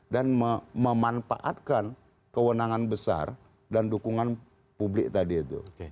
dan memanfaatkan kewenangan besar dan dukungan publik tadi itu